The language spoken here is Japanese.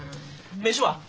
飯は？